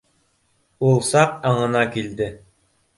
Ул саҡ аңына килде